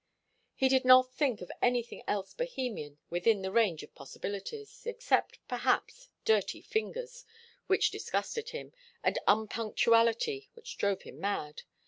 He did not think of anything else Bohemian within the range of possibilities, except, perhaps, dirty fingers, which disgusted him, and unpunctuality, which drove him mad.